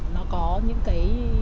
nó có những cái